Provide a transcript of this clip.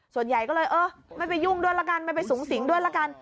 ส่วนใหญ่ก็เลยเออไม่ไปยุ่งด้วยละกันไม่ไปสูงสิงด้วยละกัน